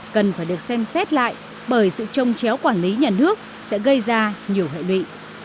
cần phải được xem xét lại bởi sự trông chéo quản lý nhà nước sẽ gây ra nhiều hệ lụy